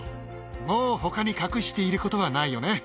もうほかに隠していることはないよね。